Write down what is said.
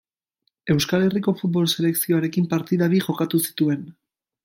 Euskal Herriko futbol selekzioarekin partida bi jokatu zituen.